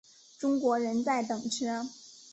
中国人在等车